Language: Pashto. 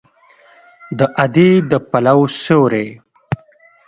د ادې د پلو سیوری